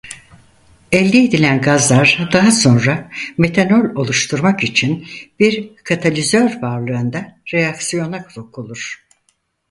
Elde edilen gazlar daha sonra metanol oluşturmak için bir katalizör varlığında reaksiyona sokulur.